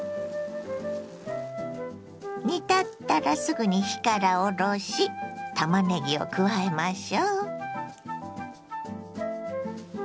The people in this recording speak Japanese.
煮立ったらすぐに火から下ろしたまねぎを加えましょ。